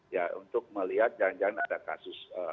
ya untuk melihat jangan jangan ada kasus